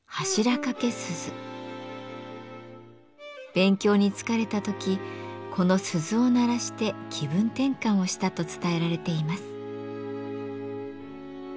勉強に疲れた時この鈴を鳴らして気分転換をしたと伝えられています。